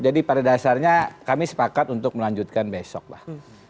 jadi pada dasarnya kami sepakat untuk melanjutkan besok pak